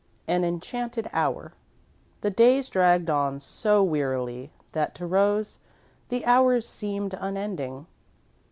XII AN ENCHANTED HOUR The days dragged on so wearily that, to Rose, the hours seemed unending.